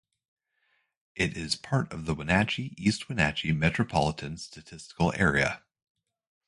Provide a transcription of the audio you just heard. It is part of the Wenatchee-East Wenatchee Metropolitan Statistical Area.